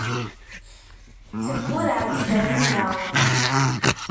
Teggurreɛ-d Taninna.